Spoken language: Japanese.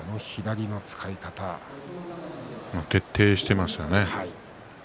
徹底していましたね。